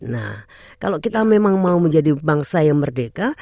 nah kalau kita memang mau menjadi bangsa yang merdeka